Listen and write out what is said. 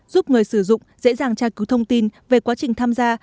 giúp người sử dụng dễ dàng tra cứu thông tin về quá trình tham gia